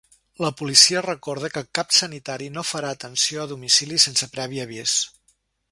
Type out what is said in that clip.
La policia recorda que cap sanitari no farà atenció a domicili sense previ avís.